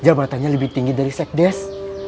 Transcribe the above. jabatannya lebih tinggi dari sekdes